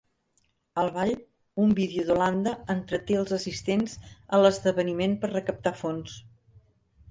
Al ball, un vídeo d'Holanda entreté els assistents a l'esdeveniment per recaptar fons.